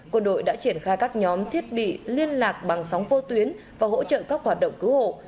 quân đội đã triển khai các nhóm thiết bị liên lạc bằng sóng vô tuyến và hỗ trợ các hoạt động cứu hộ